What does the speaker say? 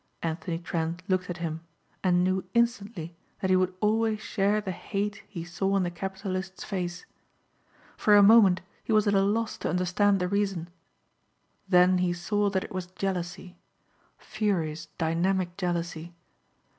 Anthony Trent looked at him and knew instantly that he would always share the hate he saw in the capitalist's face. For a moment he was at a loss to understand the reason. Then he saw that it was jealousy, furious, dynamic jealousy.